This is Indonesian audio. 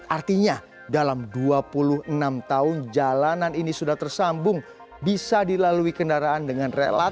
artinya dalam dua puluh enam tahun jalanan ini sudah tersambung bisa dilalui kendaraan dengan relaksa